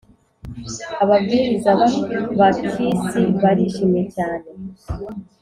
Ababwiriza b abakisi barishimye cyane